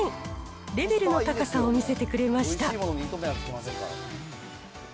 レベルの高さを見せてくれました。